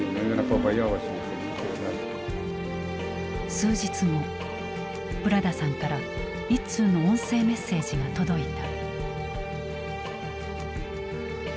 数日後ブラダさんから１通の音声メッセージが届いた。